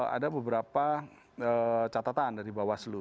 ada beberapa catatan dari bawaslu